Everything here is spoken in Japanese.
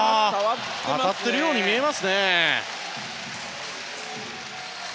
当たっているように見えますね。